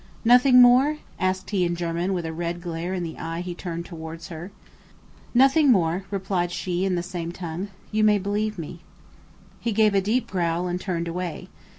"Nothing more?" asked he in German with a red glare in the eye he turned towards her. "Nothing more," replied she in the same tongue. "You may believe me." He gave a deep growl and turned away.